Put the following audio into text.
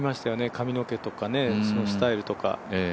髪の毛とかスタイルとか。